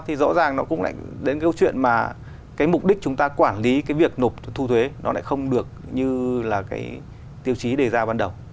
thì rõ ràng nó cũng lại đến cái chuyện mà cái mục đích chúng ta quản lý cái việc nộp thu thuế nó lại không được như là cái tiêu chí đề ra ban đầu